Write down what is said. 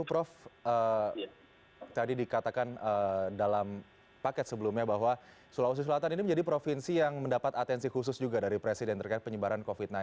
prof tadi dikatakan dalam paket sebelumnya bahwa sulawesi selatan ini menjadi provinsi yang mendapat atensi khusus juga dari presiden terkait penyebaran covid sembilan belas